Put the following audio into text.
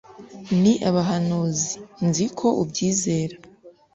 n abahanuzi Nzi ko ubyizera